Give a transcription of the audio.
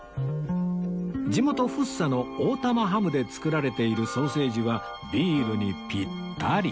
地元福生の大多摩ハムで作られているソーセージはビールにピッタリ！